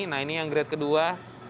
nah ini yang grade kedua